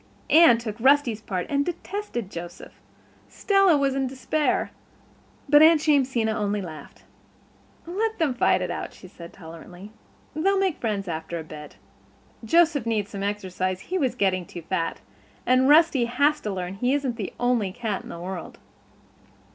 Anne took Rusty's part and detested Joseph. Stella was in despair. But Aunt Jamesina only laughed. "Let them fight it out," she said tolerantly. "They'll make friends after a bit. Joseph needs some exercise—he was getting too fat. And Rusty has to learn he isn't the only cat in the world."